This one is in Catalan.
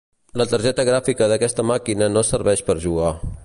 La targeta gràfica d'aquesta màquina no serveix per jugar.